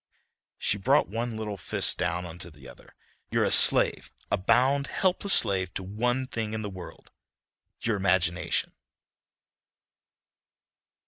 She brought one little fist down onto the other. "You're a slave, a bound helpless slave to one thing in the world, your imagination."